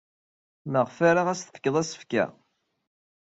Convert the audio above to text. Maɣef ara as-tefked asefk-a?